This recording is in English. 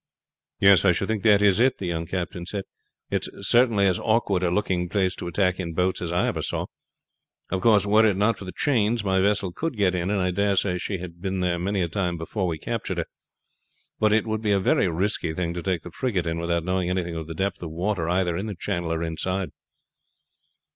"Yes, I should think that is it," the young captain said. "It is certainly as awkward a looking place to attack in boats as I ever saw. Of course were it not for the chains my vessel could get in, and I dare say she has been in there many a time before we captured her, but it would be a very risky thing to take the frigate in without knowing anything of the depth of water either in the channel or inside."